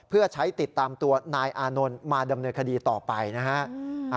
เพื่อใช้ติดตามตัวนายอานนท์มาดำเนินคดีต่อไปนะฮะ